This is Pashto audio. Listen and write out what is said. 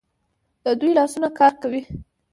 د دوی لاسونه کار کوي.